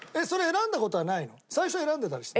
最初選んでたりして。